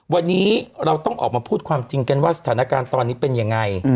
วันนี้เราต้องออกมาพูดความจริงกันว่าสถานการณ์ตอนนี้เป็นยังไง